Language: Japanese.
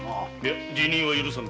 辞任は許さぬ。